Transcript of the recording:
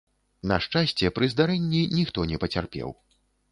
На шчасце, пры здарэнні ніхто не пацярпеў.